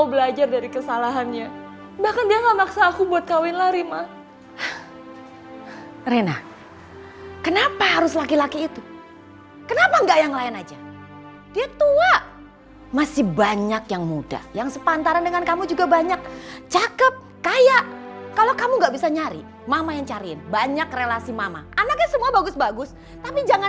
padahal kalian semua tuh gak tau kebenarannya apa